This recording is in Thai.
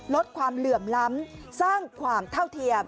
ลดความเหลื่อมล้ำสร้างความเท่าเทียม